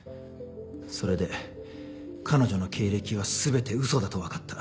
それで彼女の経歴は全て嘘だと分かった。